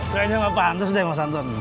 kayaknya nggak pantas deh mas anton